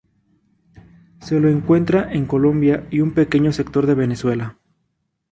Se lo encuentra en Colombia y un pequeño sector de Venezuela.